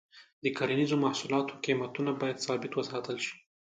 د کرنیزو محصولاتو قیمتونه باید ثابت وساتل شي.